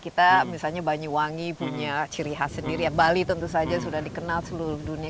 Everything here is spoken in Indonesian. kita misalnya banyuwangi punya ciri khas sendiri ya bali tentu saja sudah dikenal seluruh dunia